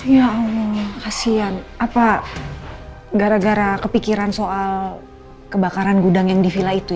ya kasian apa gara gara kepikiran soal kebakaran gudang yang di villa itu